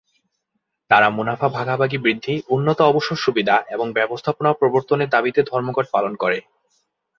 তারা মুনাফা ভাগাভাগি বৃদ্ধি, উন্নত অবসর সুবিধা এবং ব্যবস্থাপনা প্রবর্তনের দাবিতে ধর্মঘট পালন করে।